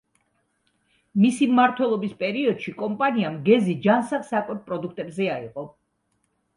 მისი მმართველობის პერიოდში კომპანიამ გეზი ჯანსაღ საკვებ პროდუქტებზე აიღო.